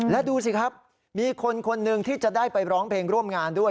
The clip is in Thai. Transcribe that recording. และดูสิครับมีคนคนหนึ่งที่จะได้ไปร้องเพลงร่วมงานด้วย